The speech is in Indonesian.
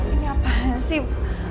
ini apaan sih